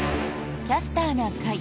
「キャスターな会」。